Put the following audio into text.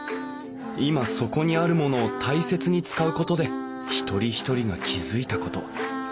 今そこにあるものを大切に使うことで一人一人が気付いたこと。